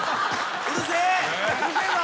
うるせえぞ！